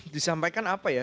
disampaikan apa ya